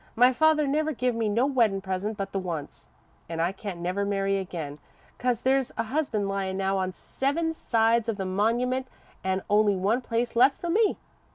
My father never give me no weddin' present but the once. An' I can't never marry again, 'cause there's a husband lyin' now on seven sides of the monumint an' only one place left for me.